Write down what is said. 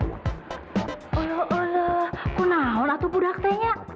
oleh oleh aku naon aku budak tetehnya